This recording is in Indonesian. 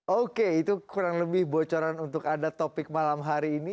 oke itu kurang lebih bocoran untuk ada topik malam hari ini